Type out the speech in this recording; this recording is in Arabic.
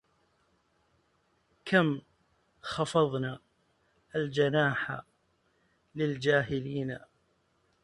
كم خفضنا الجناح للجاهلينا